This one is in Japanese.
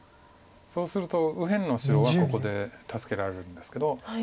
そうすると右辺の白はここで助けられるんですけど。